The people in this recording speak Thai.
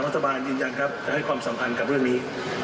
ธรรมศาบาลยืนยังจะให้ความสำคัญกับเรื่องนี้